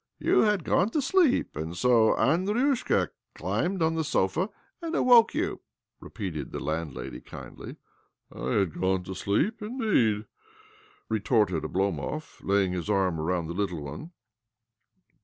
" You had gone to sleep, so Aлdriusl climbed on to the sofa and awoke you replied the landlady kindly. " I had gone to sleep, indeed? " retorte Oblomov, laying his arm around the litt one.